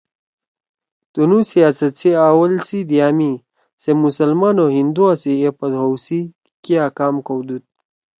تنُو سیاست سی اول سی دِیا می سے مسلمان او ہندُوا سی ایپوت ہَؤ سی کیا کام کؤدُود